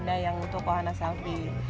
ada yang untuk wahana selfie